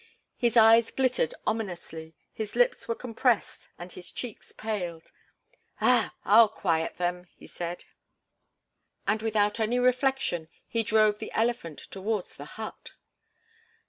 His eyes glittered ominously; his lips were compressed and his cheeks paled. "Ah! I'll quiet them!" he said. And without any reflection he drove the elephant towards the hut.